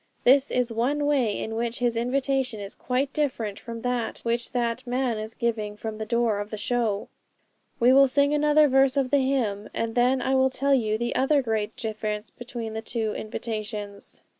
This is one way in which His invitation is quite different from that which that man is giving from the door of the show. 'We will sing another verse of the hymn, and then I will tell you the other great difference between the two invitations.'